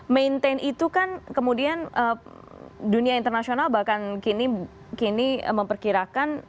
maintain itu kan kemudian dunia internasional bahkan kini memperkirakan